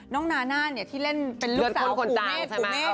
น้องนานะเนี่ยที่เล่นเป็นลูกสาวกูเนสใช่ไหม